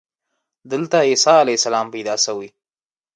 دلته عیسی علیه السلام پیدا شوی.